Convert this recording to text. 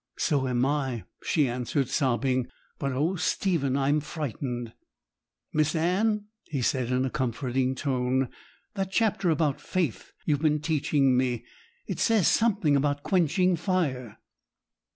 'So am I,' she answered, sobbing; 'but oh, Stephen, I am frightened.' 'Miss Anne,' he said, in a comforting tone, 'that chapter about faith you've been teaching me, it says something about quenching fire.'